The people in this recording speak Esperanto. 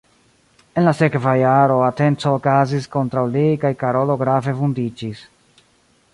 En la sekva jaro atenco okazis kontraŭ li kaj Karolo grave vundiĝis.